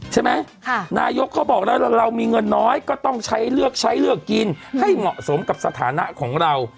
นายกเขาบอกแล้วเรามีเงินน้อยก็ต้องใช้เลือกใช้เลือกกินให้เหมาะสมกับสถานะของเรา